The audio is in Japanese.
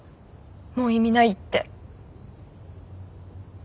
もう意味ないって。